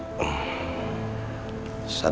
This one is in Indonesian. sabar pak harun